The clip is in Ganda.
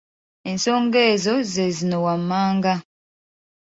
Ensonga ezo ze zino wammanga.